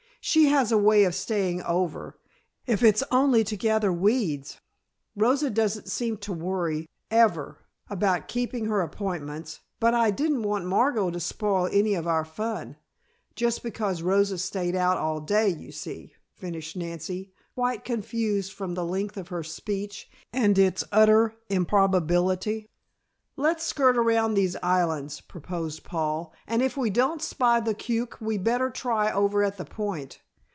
She has a way of staying over, if it's only to gather weeds. Rosa doesn't seem to worry, ever, about keeping her appointments, but I didn't want Margot to spoil any of our fun, just because Rosa stayed out all day, you see," finished Nancy, quite confused from the length of her speech and its utter improbability. "Let's skirt around these islands," proposed Paul, "and if we don't spy the Cuke we better try over at the Point.